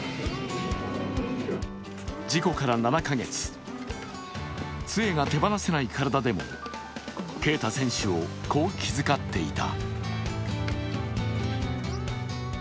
事故から７か月、つえが手放せない体でも恵匠選手をこう気遣っていた。